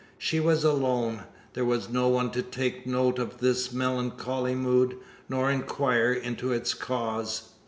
She was alone. There was no one to take note of this melancholy mood, nor inquire into its cause.